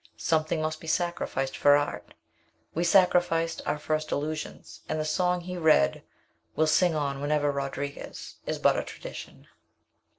Something must be sacrificed for Art. We sacrificed our first illusions and the Song he read will sing on when even Rodriguez is but a tradition.